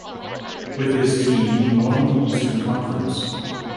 With his team, he won the Eastern Conference.